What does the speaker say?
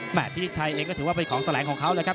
พิชิชัยเองก็ถือว่าเป็นของแสลงของเขาเลยครับ